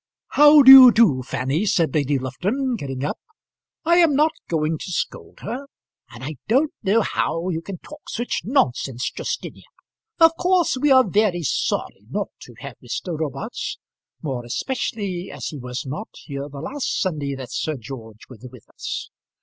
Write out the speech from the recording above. "How do you do, Fanny?" said Lady Lufton, getting up. "I am not going to scold her; and I don't know how you can talk such nonsense, Justinia. Of course, we are very sorry not to have Mr. Robarts; more especially as he was not here the last Sunday that Sir George was with us.